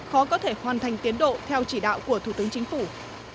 khó có thể hoàn thành tiến độ theo chỉ đạo của thủ tướng chính phủ